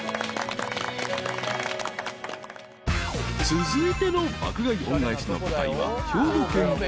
［続いての爆買い恩返しの舞台は兵庫県神戸市］